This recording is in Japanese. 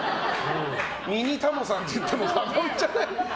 ミニタモさんと言っても過言じゃない。